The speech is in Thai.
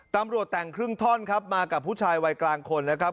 ตำรวจแต่งครึ่งท่อนครับมากับผู้ชายวัยกลางคนนะครับ